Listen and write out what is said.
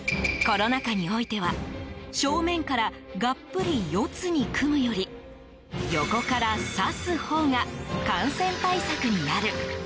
コロナ禍においては正面からがっぷり四つに組むより横から差すほうが感染対策になる。